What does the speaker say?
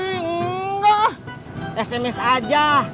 enggak sms aja